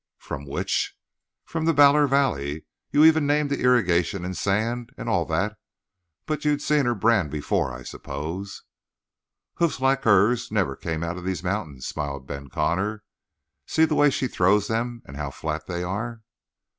"From which?" "From the Ballor Valley. You even named the irrigation and sand and all that. But you'd seen her brand before, I s'pose?" "Hoofs like hers never came out of these mountains," smiled Ben Connor. "See the way she throws them and how flat they are."